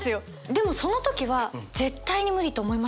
でもその時は絶対に無理と思いませんか？